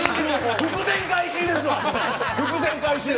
伏線回収ですわ！